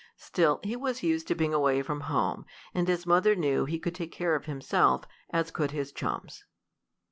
Still he was used to being away from home, and his mother knew he could take care of himself, as could his chums.